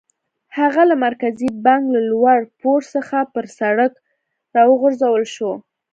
هغه له مرکزي بانک له لوړ پوړ څخه پر سړک را وغورځول شو.